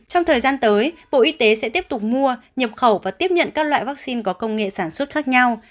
trong thời gian tới bộ y tế sẽ tiếp tục mua nhập khẩu và tiếp nhận các loại vaccine có công nghệ sản xuất khác nhau